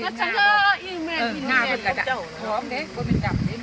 ความสุขก็ตลอด